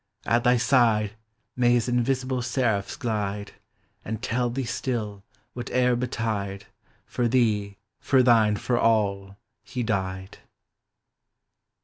At thy side May his invisible seraphs glide; And tell thee still, whate'er betide. For thee, for thine, for all, He died!